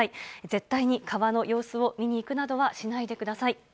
絶対に川の様子を見に行くなどはしないでください。